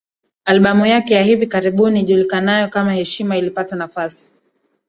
Albamu yake ya hivi karibuni ijulikanayo kama Heshima ilipata nafasi